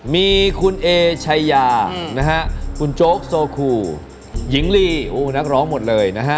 มีคุณเอชายานะฮะคุณโจ๊กโซคูหญิงลีโอ้นักร้องหมดเลยนะฮะ